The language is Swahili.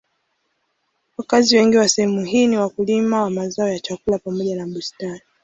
Wakazi wengi wa sehemu hii ni wakulima wa mazao ya chakula pamoja na bustani.